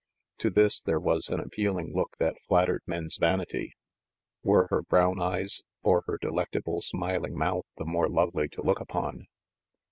To this, there was an appealing look that flattered men's vanity. Were her brown eyes or her delectable smiling mouth the more lovely to look upon?